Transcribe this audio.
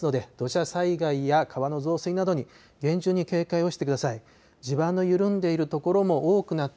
まださらに雨が降りますので土砂災害や川の増水などに厳重に警戒をしてください。